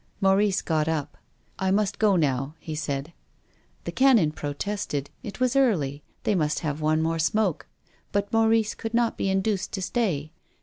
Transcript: Maurice got up. "I must go now," he said. The Canon protested. It was early. They must have one more smoke. But Maurice could not be induced to stay.